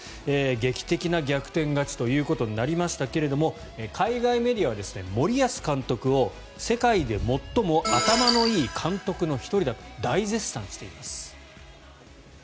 劇的な逆転勝ちとなりましたが海外メディアは森保監督を世界で最も頭のいい監督の１人だと大絶賛しています。